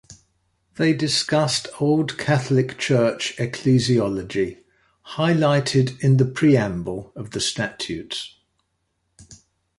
They discussed Old Catholic Church ecclesiology, "highlighted in the Preamble" of the Statutes.